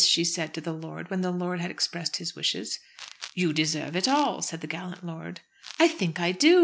she said to the lord when the lord had expressed his wishes. "You deserve it all," said the gallant lord. "I think I do.